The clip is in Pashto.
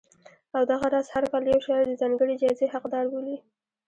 او دغه راز هر کال یو شاعر د ځانګړې جایزې حقدار بولي